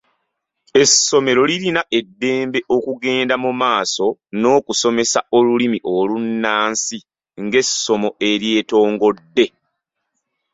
Essomero lirina eddembe okugenda mu maaso n’okusomesa olulimi olunnansi ng’essomo eryetongodde.